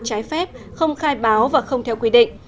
trái phép không khai báo và không theo quy định